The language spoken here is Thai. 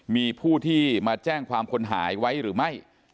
มีผู้ที่มาแจ้งความคนหายไว้หรือไม่